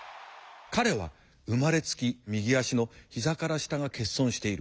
彼は生まれつき右足の膝から下が欠損している。